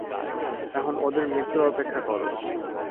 এখন ওদের মৃত্যুর অপেক্ষা করবো।